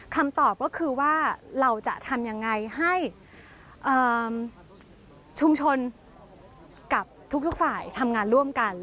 คำตอบก็คือว่าเราจะทำยังไงให้ชุมชนกับทุกฝ่ายทำงานร่วมกัน